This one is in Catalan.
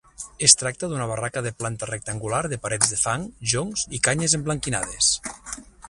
Es tracta d'una barraca de planta rectangular de parets de fang, joncs i canyes emblanquinades.